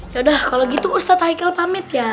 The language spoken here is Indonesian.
yaudah kalau gitu ustadz haikal pamit ya